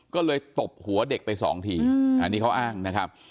ก็เลยตบหัวเด็กไปสองทีอันนี้เขาอ้างนะครับ